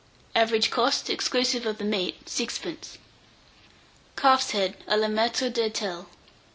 Average cost, exclusive of the meat, 6d. CALF'S HEAD a la Maitre d'Hotel.